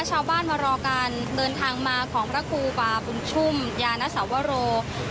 ชาวบ้านมารอการเดินทางมาของพระครูบาบุญชุ่มยานสวโร